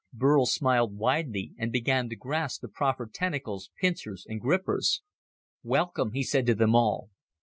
Burl smiled widely and began to grasp the proffered tentacles, pincers and grippers. "Welcome," he said to them all.